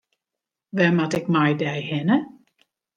Wêr moat it mei dy hinne?